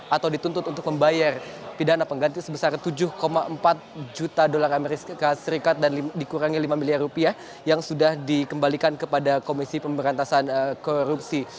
atau dituntut untuk membayar pidana pengganti sebesar tujuh empat juta dolar amerika serikat dan dikurangi lima miliar rupiah yang sudah dikembalikan kepada komisi pemberantasan korupsi